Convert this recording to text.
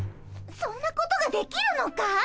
そんなことができるのかい？